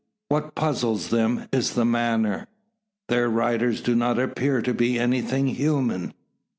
What puzzles them is the manner. Their riders do not appear to be anything human!